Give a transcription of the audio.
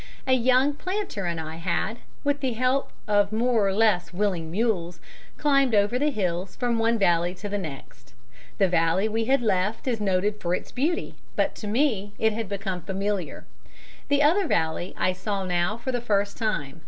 A young planter and I had, with the help of more or less willing mules, climbed over the hills from one valley to the next. The valley we had left is noted for its beauty, but to me it had become familiar; the other valley I saw now for the first time.